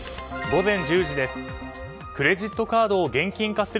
午前１０時です。